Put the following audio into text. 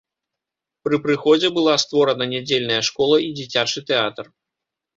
Пры прыходзе была створана нядзельная школа і дзіцячы тэатр.